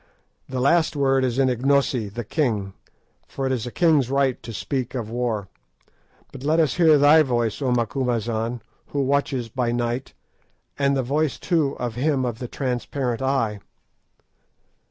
The last word is in Ignosi the king, for it is a king's right to speak of war; but let us hear thy voice, O Macumazahn, who watchest by night, and the voice too of him of the transparent eye."